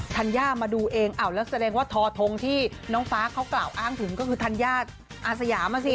ธัญญามาดูเองอ้าวแล้วแสดงว่าทอทงที่น้องฟ้าเขากล่าวอ้างถึงก็คือธัญญาอาสยามอ่ะสิ